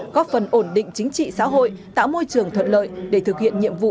góp phần ổn định chính trị xã hội tạo môi trường thuận lợi để thực hiện nhiệm vụ